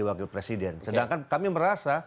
wakil presiden sedangkan kami merasa